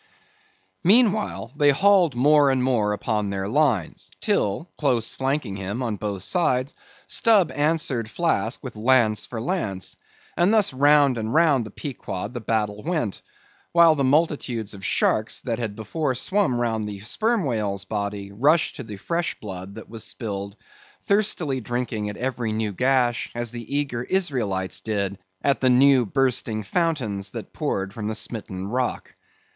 Meantime, they hauled more and more upon their lines, till close flanking him on both sides, Stubb answered Flask with lance for lance; and thus round and round the Pequod the battle went, while the multitudes of sharks that had before swum round the Sperm Whale's body, rushed to the fresh blood that was spilled, thirstily drinking at every new gash, as the eager Israelites did at the new bursting fountains that poured from the smitten rock.